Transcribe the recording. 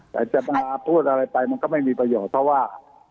แต่จะมาพูดอะไรไปมันก็ไม่มีประโยชน์เพราะว่า